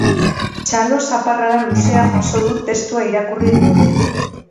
Txalo zaparrada luzea jaso du testua irakurri duenean.